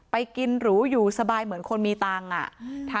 ไปกินหรูอยู่สบายเหมือนคนมีตังค์